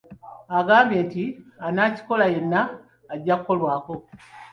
Agambye nti anaakikola yenna ajja kukolwako.